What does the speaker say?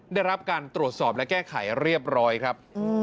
ได้รับการตรวจสอบและแก้ไขเรียบร้อยครับ